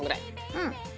うん。